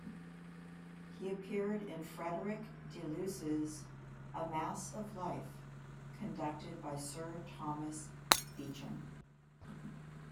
He appeared in Frederick Delius's "A Mass of Life", conducted by Sir Thomas Beecham.